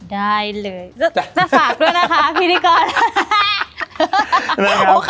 ได้เลยจะฝากด้วยนะคะพิธีกร